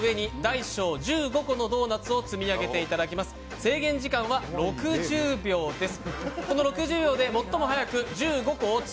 制限時間は６０秒です。